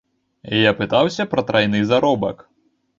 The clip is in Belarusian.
Я пытаўся пра трайны заробак.